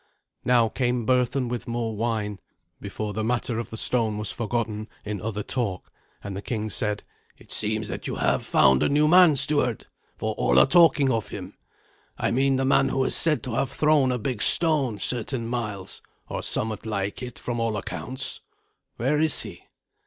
Now came Berthun with more wine, before the matter of the stone was forgotten in other talk, and the king said, "It seems that you have found a new man, steward, for all are talking of him. I mean the man who is said to have thrown a big stone certain miles, or somewhat like it, from all accounts. Where is he?"